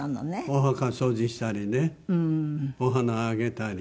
お墓掃除したりねお花をあげたり。